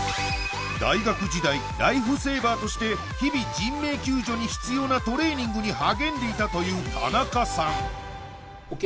大学時代ライフセーバーとして日々人命救助に必要なトレーニングに励んでいたという田中さん